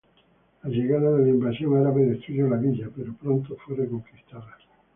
La llegada de la invasión árabe destruyó la villa, pero pronto fue reconquistada.